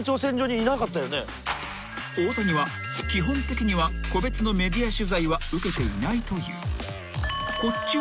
［大谷は基本的には個別のメディア取材は受けていないという］